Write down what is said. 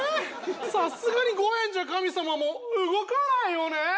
さすがに５円じゃ神様も動かないよね